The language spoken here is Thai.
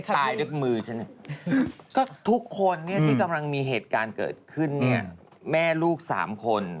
ตายเรื่องมือฉัน